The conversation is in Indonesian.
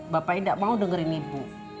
bapaknya enggak mau dengerin ibu